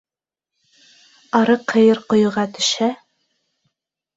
Арыҡ һыйыр ҡойоға төшһә